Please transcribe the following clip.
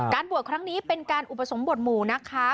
บวชครั้งนี้เป็นการอุปสมบทหมู่นะคะ